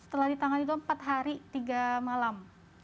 setelah ditangani itu empat hari tiga malam